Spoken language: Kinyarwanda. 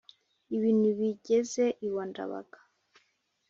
ibintu bigeze iwa ndabaga.